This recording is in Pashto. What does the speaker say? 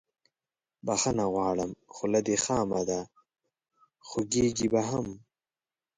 بخښنه غواړم خوله دې خامه ده خوږیږي به هم